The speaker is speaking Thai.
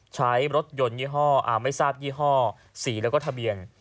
ใช้รถยนต์ยี่ห้ออ่าไม่ทราบยี่ห้อ๔และทะเบียน